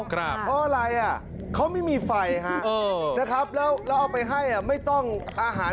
เพราะอะไรอ่ะเขาไม่มีไฟฮะนะครับแล้วเอาไปให้ไม่ต้องอาหาร